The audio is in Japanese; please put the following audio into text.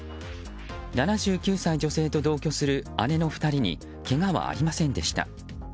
７９歳女性と同居する姉の２人にけがはありませんでした。